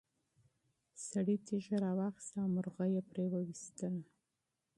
سړي تیږه راواخیسته او مرغۍ یې پرې وویشتله.